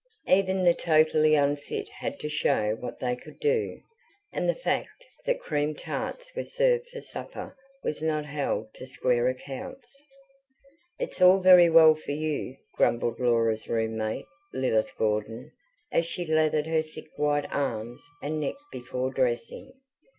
Even the totally unfit had to show what they could do. And the fact that cream tarts were served for supper was not held to square accounts. "It's all very well for you," grumbled Laura's room mate, Lilith Gordon, as she lathered her thick white arms and neck before dressing.